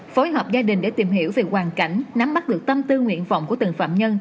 phối hợp gia đình để tìm hiểu về hoàn cảnh nắm bắt được tâm tư nguyện vọng của từng phạm nhân